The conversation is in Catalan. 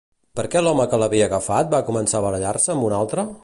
Per què l'home que l'havia agafat va començar a barallar-se amb un altre?